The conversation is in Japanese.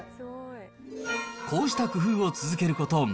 こうした工夫を続けること